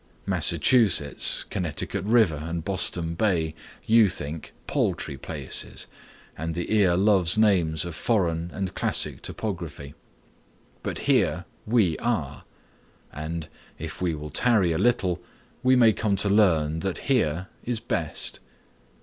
Massachusetts, Connecticut River and Boston Bay you think paltry places, and the ear loves names of foreign and classic topography. But here we are; and, if we will tarry a little, we may come to learn that here is best.